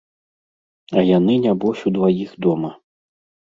А яны нябось удваіх дома.